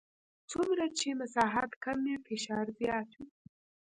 څومره چې مساحت کم وي فشار زیات وي.